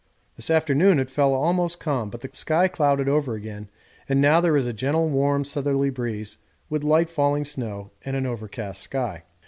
This afternoon it fell almost calm, but the sky clouded over again and now there is a gentle warm southerly breeze with light falling snow and an overcast sky.